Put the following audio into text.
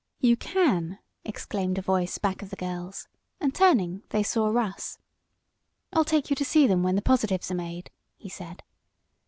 "You can!" exclaimed a voice back of the girls, and, turning they saw Russ. "I'll take you to see them when the positives are made," he said.